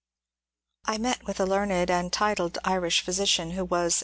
I met with a learned and titled Irish physician who was a VOL.